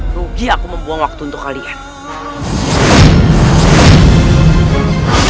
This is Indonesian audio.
rugi aku membuang waktu untuk kalian